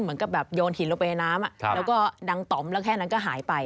เหมือนกับแบบโยนหินลงไปในน้ำแล้วก็ดังต่อมแล้วแค่นั้นก็หายไป